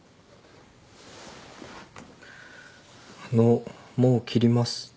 あのもう切ります。